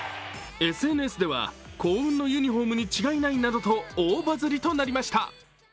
ＳＮＳでは幸運のユニフォームに違いないなどと大バズりとなりました。